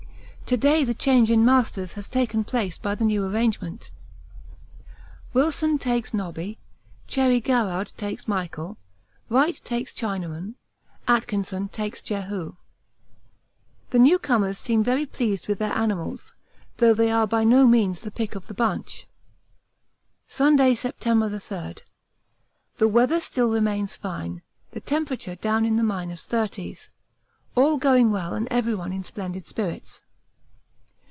To day the change in masters has taken place: by the new arrangement Wilson takes Nobby Cherry Garrard takes Michael Wright takes Chinaman Atkinson takes Jehu. The new comers seem very pleased with their animals, though they are by no means the pick of the bunch. Sunday, September 3. The weather still remains fine, the temperature down in the minus thirties. All going well and everyone in splendid spirits.